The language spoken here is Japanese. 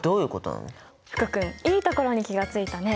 福君いいところに気が付いたね。